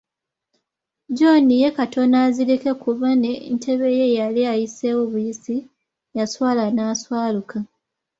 John ye katono azirike kuba ne ku ntebe ye yali ayiseewo buyisi, yaswala n’aswaluka.